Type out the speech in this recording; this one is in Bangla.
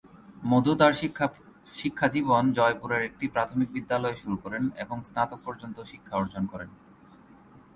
মধু তার শিক্ষাজীবন জয়পুরের একটি প্রাথমিক বিদ্যালয়ে শুরু করেন এবং স্নাতক পর্যন্ত শিক্ষা অর্জন করেন।